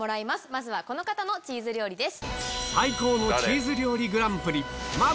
まずはこの方のチーズ料理です。